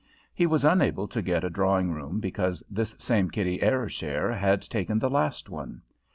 He was unable to get a drawing room because this same Kitty Ayrshire had taken the last one.